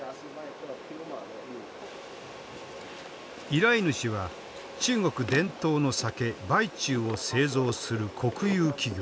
依頼主は中国伝統の酒白酒を製造する国有企業。